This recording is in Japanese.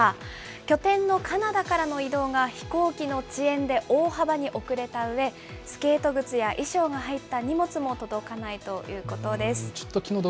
拠点のカナダからの移動が、飛行機の遅延で大幅に遅れたうえ、スケート靴や衣装が入った荷物も届かないということです。